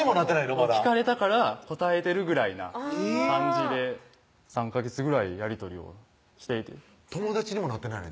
まだ聞かれたから答えてるぐらいな感じで３ヵ月ぐらいやり取りをしていて友達にもなってないね